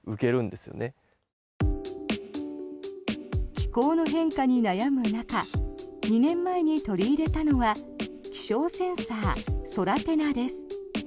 気候の変化に悩む中２年前に取り入れたのは気象センサー、ソラテナです。